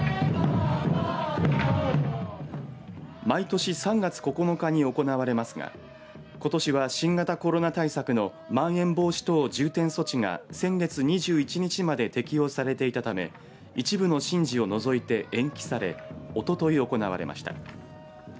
毎年３月９日に行われますがことしは新型コロナ対策のまん延防止等重点措置が先月２１日まで適用されていたため一部の神事を除いて延期されおととい行われました。